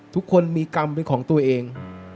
ทุกคนมีกรรมเป็นของตัวเอง